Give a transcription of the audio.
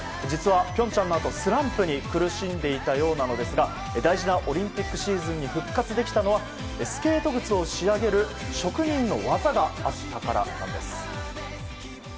実は、平昌のあとスランプに苦しんでいたようなのですが大事なオリンピックシーズンに復活できたのはスケート靴を仕上げる職人の技があったからなんです。